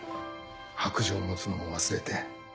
白杖持つのも忘れて。